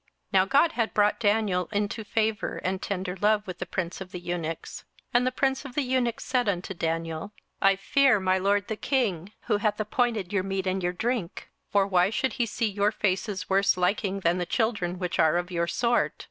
27:001:009 Now God had brought Daniel into favour and tender love with the prince of the eunuchs. 27:001:010 And the prince of the eunuchs said unto Daniel, I fear my lord the king, who hath appointed your meat and your drink: for why should he see your faces worse liking than the children which are of your sort?